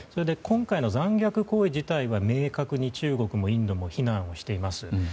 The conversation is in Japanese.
今回の残虐行為自体は明確に中国もインドも非難をしています。